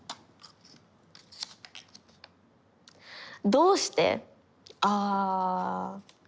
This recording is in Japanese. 「どうして？」。